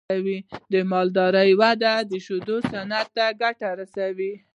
د مالدارۍ وده د شیدو صنعت ته ګټه رسوي.